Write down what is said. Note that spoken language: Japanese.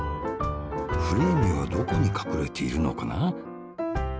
フレーミーはどこにかくれているのかな？